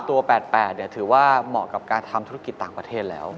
แต่ว่าขึ้นมาตัว๘๘๖ถือว่าเหมาะกับการทำธุรกิจต่างประเทศแล้ว